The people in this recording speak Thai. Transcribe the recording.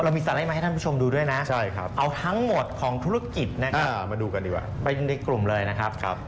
มีสไลด์มาให้ท่านผู้ชมดูด้วยนะเอาทั้งหมดของธุรกิจนะครับมาดูกันดีกว่าไปกันในกลุ่มเลยนะครับ